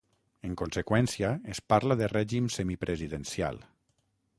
En conseqüència, es parla de règim semipresidencial.